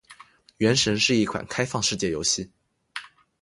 《原神》是一款开放世界游戏。